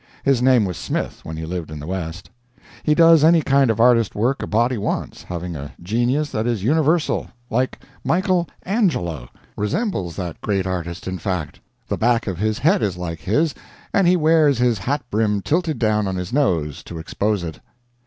(His name was Smith when he lived in the West.) He does any kind of artist work a body wants, having a genius that is universal, like Michael Angelo. Resembles that great artist, in fact. The back of his head is like his, and he wears his hat brim tilted down on his nose to expose it.